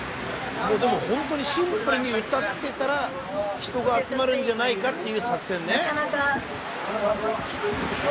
でも本当にシンプルに歌ってたら人が集まるんじゃないかっていう作戦ね。